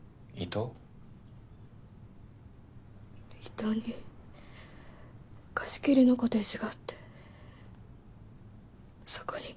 伊東に貸切のコテージがあってそこに。